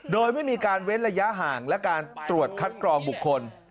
โดยไม่มีการเว้นระยะห่างและการตรวจคัดกรองบุคคล